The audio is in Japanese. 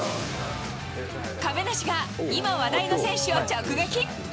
亀梨が今話題の選手を直撃。